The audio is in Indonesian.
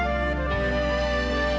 datarkh deck indonesia